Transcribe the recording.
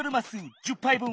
１０ぱいぶん。